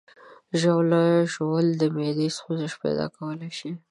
ژاوله ژوول د معدې سوزش پیدا کولی شي.